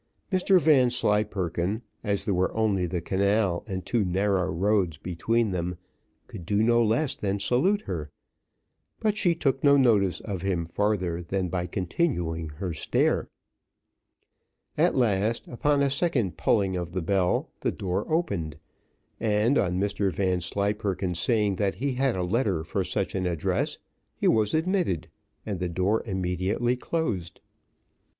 Mr Vanslyperken, as there was only the canal and two narrow roads between them, could do no less than salute her, but she took no notice of him farther than by continuing her stare. At last, upon a second pulling of the bell, the door opened, and on Mr Vanslyperken saying that he had a letter for such an address, he was admitted, and the door immediately closed.